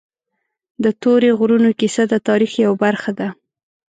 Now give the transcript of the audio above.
د تورې غرونو کیسه د تاریخ یوه برخه ده.